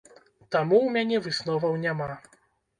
Таму ў мяне высноваў няма.